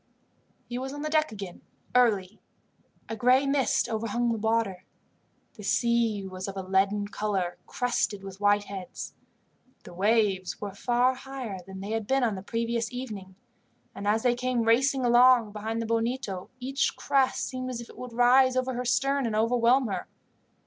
He was on deck again early. A gray mist overhung the water. The sea was of a leaden colour, crested with white heads. The waves were far higher than they had been on the previous evening, and as they came racing along behind the Bonito each crest seemed as if it would rise over her stern and overwhelm her.